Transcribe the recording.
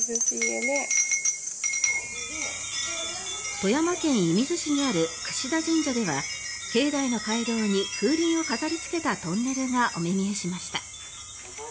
富山県射水市にある櫛田神社では境内の回廊に風鈴を飾りつけたトンネルがお目見えしました。